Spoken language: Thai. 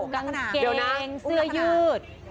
กางเกงเสื้อยืด